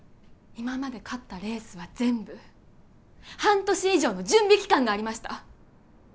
今まで勝ったレースは全部半年以上の準備期間がありました